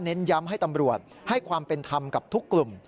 ย้ำให้ตำรวจให้ความเป็นธรรมกับทุกกลุ่ม